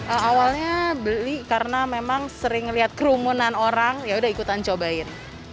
awalnya beli karena memang sering melihat kerumunan orang yaudah ikutan cobain